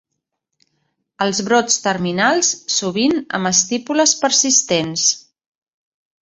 Els brots terminals sovint amb estípules persistents.